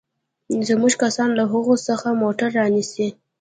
زموږ کسان له هغوى څخه موټر رانيسي.